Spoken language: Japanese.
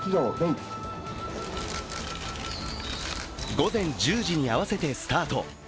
午前１０時に合わせてスタート。